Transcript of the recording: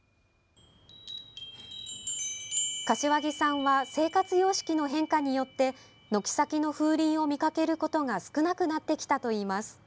柏木さんは生活様式の変化によって軒先の風鈴を見かけることが少なくなってきたといいます。